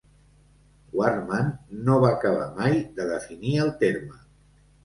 Wardman no va acabar mai de definir el terme.